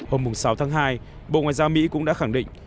hôm sáu tháng hai bộ ngoại giao mỹ cũng đã khẳng định